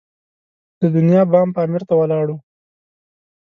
د دنیا بام پامیر ته ولاړو.